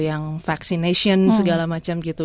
yang vaccination segala macam gitu